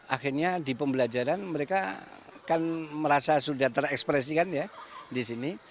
akhirnya di pembelajaran mereka kan merasa sudah terekspresikan ya di sini